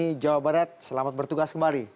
di jawa barat selamat bertugas kembali